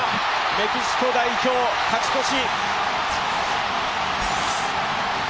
メキシコ代表、勝ち越し。